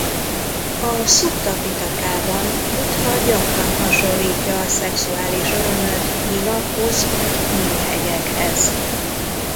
A Szutta-pitakában Buddha gyakran hasonlítja a szexuális örömöt nyilakhoz vagy nyílhegyekhez.